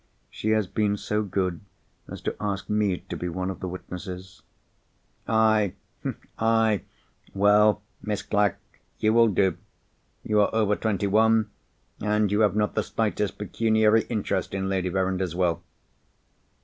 "She has been so good as to ask me to be one of the witnesses." "Aye? aye? Well, Miss Clack, you will do. You are over twenty one, and you have not the slightest pecuniary interest in Lady Verinder's Will."